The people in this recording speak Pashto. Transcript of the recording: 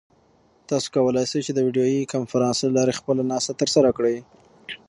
تاسو کولای شئ چې د ویډیویي کنفرانس له لارې خپله ناسته ترسره کړئ.